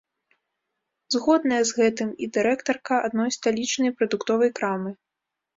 Згодная з гэтым і дырэктарка адной сталічнай прадуктовай крамы.